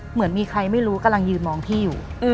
เหมือนมีใครไม่รู้กำลังยืนมองพี่อยู่